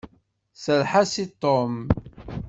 Serreḥ-as-d i Tom.